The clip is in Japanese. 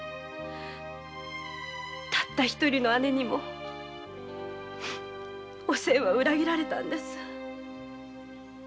たった一人の姉にもおせんは裏切られたんです。